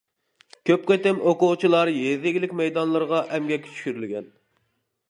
كۆپ قېتىم ئوقۇغۇچىلار يېزا ئىگىلىك مەيدانلىرىغا ئەمگەككە چۈشۈرۈلگەن.